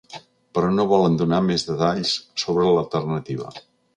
Però no volen donar més detalls sobre l’alternativa.